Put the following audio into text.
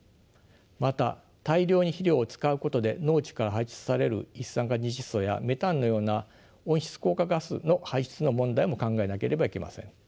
また大量に肥料を使うことで農地から排出される一酸化二窒素やメタンのような温室効果ガスの排出の問題も考えなければいけません。